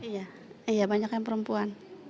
iya iya banyaknya perempuan